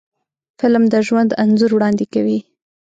فلم د ژوند انځور وړاندې کوي